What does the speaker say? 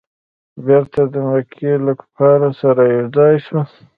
بیرته د مکې له کفارو سره یو ځای سو.